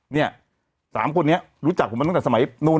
เนี่ย๓คนนี้รู้จักผมมาตั้งแต่สมัยนู้น